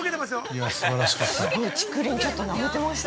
いや、すばらしかった。